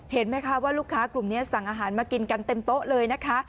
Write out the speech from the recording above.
เห็นไหมคะว่าลูกค้ากลุ่มนี้สั่งอาหารมากินกันเต็มโต๊ะเลยนะคะ